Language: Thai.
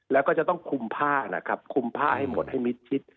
แล้วก็จะต้องคุมผ้านะครับคุมผ้าให้หมดให้มิดชิด